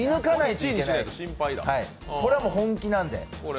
これは、もう本気なんで。